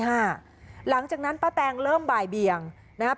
หลังจากนั้นป้าแตงเริ่มบ่ายเบียงนะครับ